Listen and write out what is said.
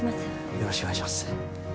よろしくお願いします。